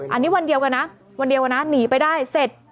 อันนี้วันเดียวกันนะวันเดียวกันนะหนีไปได้เสร็จ